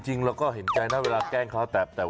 จริงเราก็เห็นใจนะเวลาแกล้งเขา